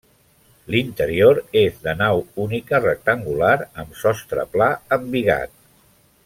L'interior és de nau única rectangular amb sostre pla embigat.